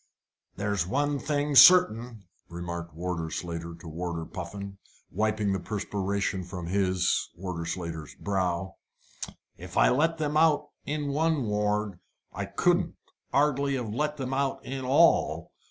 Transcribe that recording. "There's one thing certain," remarked Warder Slater to Warder Puffin, wiping the perspiration from his Warder Slater's brow, "if I let them out in one ward, I couldn't 'ardly let them out in all.